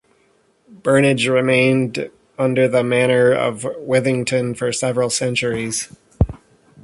Burnage remained under the manor of Withington for several centuries.